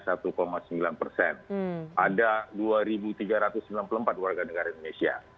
ada dua tiga ratus sembilan puluh empat warga negara indonesia